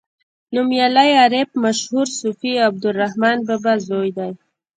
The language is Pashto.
نومیالی عارف مشهور صوفي عبدالرحمان بابا زوی دی.